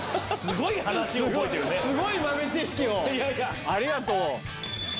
すごい豆知識をありがとう。